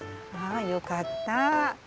あよかった。